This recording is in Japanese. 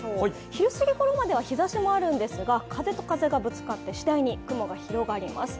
昼過ぎごろまでは日ざしもあるんですが、風と風がぶつかって次第に雲が広がります。